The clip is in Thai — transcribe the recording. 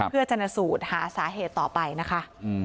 เพื่อชนสูตรหาสาเหตุต่อไปนะคะ